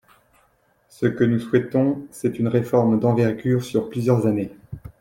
Ce que nous souhaitons, c’est une réforme d’envergure sur plusieurs années.